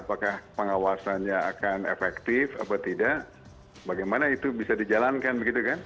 apakah pengawasannya akan efektif atau tidak bagaimana itu bisa dijalankan begitu kan